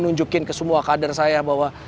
nunjukin ke semua kader saya bahwa